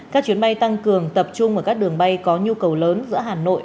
các chuyến bay tăng cường tập trung ở các đường bay có nhu cầu lớn giữa hà nội